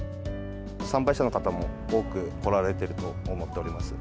参拝者の方も多く来られていると思っております。